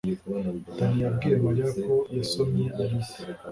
danny yabwiye mariya ko yasomye alice